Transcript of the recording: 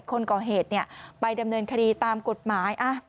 คนก่อเหตุไปดำเนินคดีตามกฎหมาย